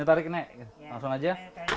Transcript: tarik ini nek langsung aja